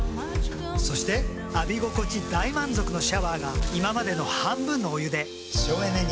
そして浴び心地大満足のシャワーが今までの半分のお湯で省エネに。